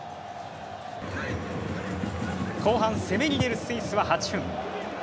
後半、攻めに出るスイスは８分。